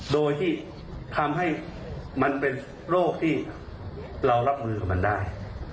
โดยที่ทำให้มันเป็นโรคที่เรารับมือกับมันได้